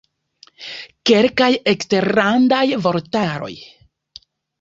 Kelkaj eksterlandaj vortaroj.